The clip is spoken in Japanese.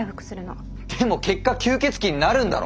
でも結果吸血鬼になるんだろ！